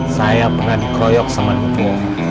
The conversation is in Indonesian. saya pernah dikroyok sama ibu